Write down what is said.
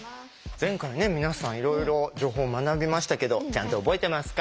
前回ね皆さんいろいろ情報学びましたけどちゃんと覚えてますか？